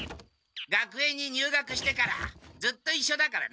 学園に入学してからずっといっしょだからな。